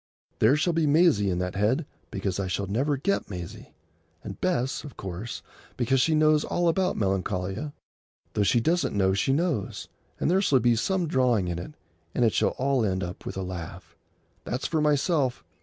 There shall be Maisie in that head, because I shall never get Maisie; and Bess, of course, because she knows all about Melancolia, though she doesn't know she knows; and there shall be some drawing in it, and it shall all end up with a laugh. That's for myself.